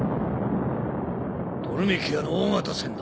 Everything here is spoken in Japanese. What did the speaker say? トルメキアの大型船だ。